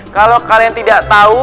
kalau kalian tidak tahu